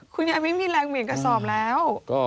คุณยายไม่มีแรงเหวี่ยงกระสอบแล้ว